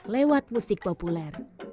lewat musik populer